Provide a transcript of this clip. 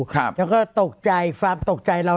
ครับแล้วก็ตกใจฝ่าตกใจเรา